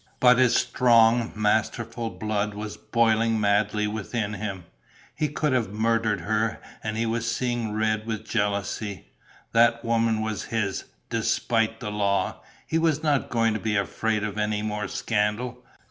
But his strong, masterful blood was boiling madly within him. He could have murdered her and he was seeing red with jealousy. That woman was his, despite the law. He was not going to be afraid of any more scandal.